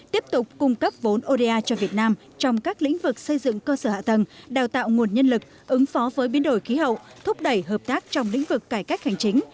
tiếp tục cung cấp vốn oda cho việt nam trong các lĩnh vực xây dựng cơ sở hạ tầng đào tạo nguồn nhân lực ứng phó với biến đổi khí hậu thúc đẩy hợp tác trong lĩnh vực cải cách hành chính